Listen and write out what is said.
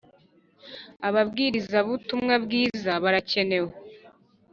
ababwiriza butumwa bwiza barakenewe